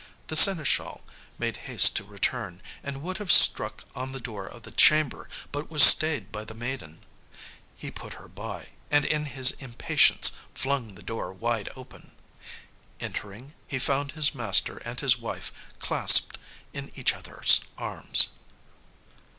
The seneschal made haste to return, and would have struck on the door of the chamber, but was stayed by the maiden. He put her by, and in his impatience flung the door wide open. Entering he found his master and his wife clasped in each other's arms.